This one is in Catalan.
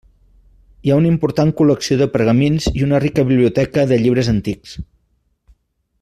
Hi ha una important col·lecció de pergamins i una rica biblioteca de llibres antics.